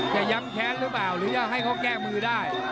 ย้ำแค้นหรือเปล่าหรือจะให้เขาแก้มือได้